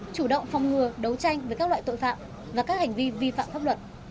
chủ động phòng ngừa đấu tranh với các loại tội phạm và các hành vi vi phạm pháp luật